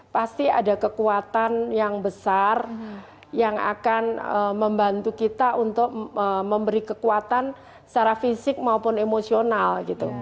pasti ada kekuatan yang besar yang akan membantu kita untuk memberi kekuatan secara fisik maupun emosional gitu